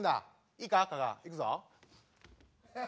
いいか加賀いくぞ。